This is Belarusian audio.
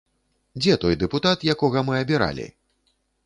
Дзе той дэпутат, якога мы абіралі?